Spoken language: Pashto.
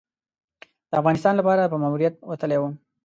د افغانستان لپاره په ماموریت وتلی وم.